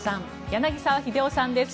柳澤秀夫さんです。